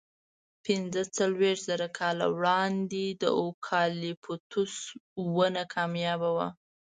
پینځهڅلوېښت زره کاله وړاندې اوکالیپتوس ونه کمیابه وه.